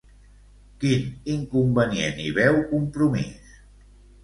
Quin inconvenient hi veu Compromís?